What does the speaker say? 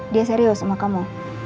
dia serius sama kamu